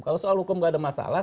kalau soal hukum nggak ada masalah